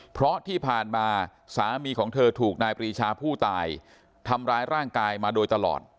เพราะที่ผ่านมาสามีของเธอถูกนายปรีชาผู้ตายทำร้ายร่างกายมาโดยตลอด